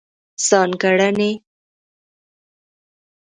ځانګړنې: